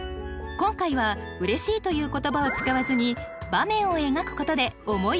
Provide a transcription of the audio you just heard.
今回は「嬉しい」という言葉を使わずに場面を描くことで思いを伝えます。